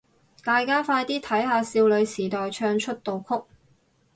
大家快啲睇下少女時代唱出道曲